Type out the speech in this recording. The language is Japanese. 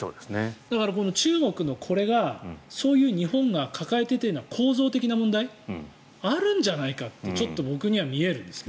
だから、中国のこれがそういう日本が抱えていたような構造的な問題があるんじゃないかって僕はちょっと見えるんですが。